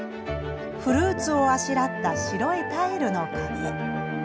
フルーツをあしらった白いタイルの壁。